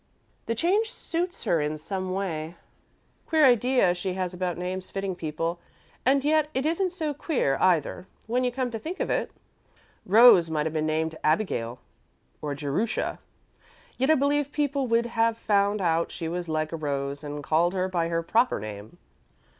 "The change suits her someway. Queer idea she has about names fitting people, and yet it isn't so queer, either, when you come to think of it. Rose might have been named Abigail or Jerusha, yet I believe people would have found out she was like a rose and called her by her proper name."